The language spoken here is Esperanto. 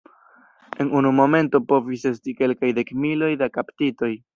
En unu momento povis esti kelkaj dekmiloj da kaptitoj.